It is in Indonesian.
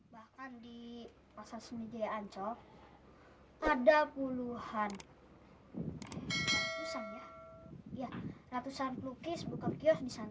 bahkan di pasar semi jaya ancol ada puluhan ratusan ya ratusan pelukis buka kiosk di sana